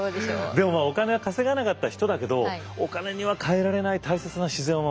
でもお金は稼がなかった人だけどお金には代えられない大切な自然を守った。